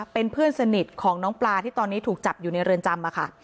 เป็นเพื่อนสนิทของน้องปลาที่ตอนนี้ถูกจับอยู่ในเรือนจำค่ะ